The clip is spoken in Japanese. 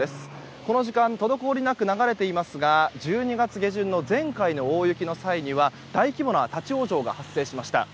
この時間滞りなく流れていますが１２月下旬の前回の大雪の際には大規模な立ち往生が発生しました。